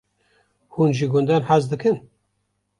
Hûn ji gundan hez dikin?